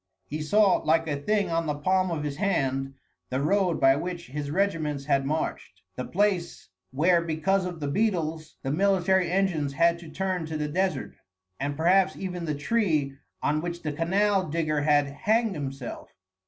He saw, like a thing on the palm of his hand, the road by which his regiments had marched, the place where because of the beetles the military engines had to turn to the desert, and perhaps even the tree on which the canal digger had hanged himself.